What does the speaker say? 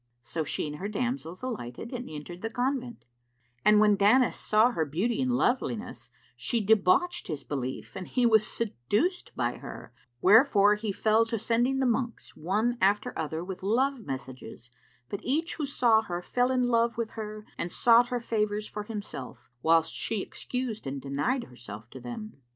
So she and her damsels alighted and entered the convent; and when Danis saw her beauty and loveliness, she debauched his belief and he was seduced by her: wherefore he fell to sending the monks, one after other with love messages; but each who saw her fell in love with her and sought her favours for himself, whilst she excused and denied herself to them.